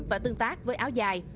và tương tác với áo dài